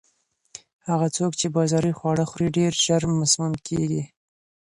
هغه څوک چې بازاري خواړه ډېر خوري، ژر مسموم کیږي.